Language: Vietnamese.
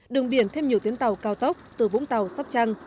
đường biển thêm nhiều tuyến tàu cao tốc từ vũng tàu sóc trăng